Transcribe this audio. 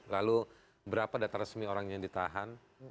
lalu berapa data resmi orang yang ditahan